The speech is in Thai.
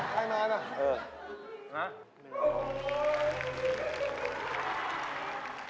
ใครมั้ยน่ะฮะโอ้โฮ